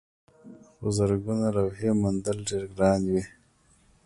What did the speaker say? خو زرګونه لوحې موندل ډېر ګران وي.